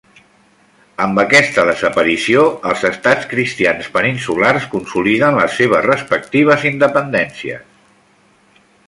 Amb aquesta desaparició els estats cristians peninsulars consoliden les seves respectives independències.